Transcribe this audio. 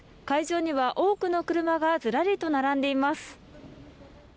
会場には多くの車がずらりと並んでいます。